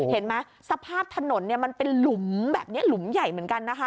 เห็นไหมสภาพถนนเนี่ยมันเป็นหลุมแบบนี้หลุมใหญ่เหมือนกันนะคะ